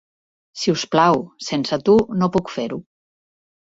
Si us plau, sense tu no puc fer-ho.